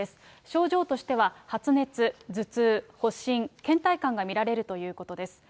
症状としては発熱、頭痛、発疹、けん怠感が見られるということです。